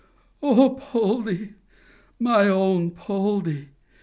"Oh Poldie! my own Poldie!"